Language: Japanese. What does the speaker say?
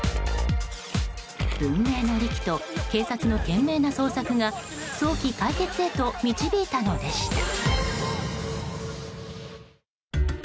文明の利器と警察の懸命な捜索が早期解決へと導いたのでした。